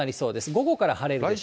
午後から晴れでしょう。